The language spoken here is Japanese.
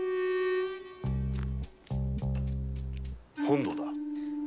本堂だ